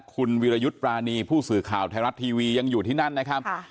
คุณวิรยุทธ์ปรานีผู้สื่อข่าวไทยรัฐทีวียังอยู่ที่นั่นนะครับ